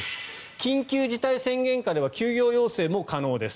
緊急事態宣言下では休業要請も可能です。